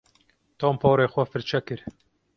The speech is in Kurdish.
Tom porê xwe firçe kir.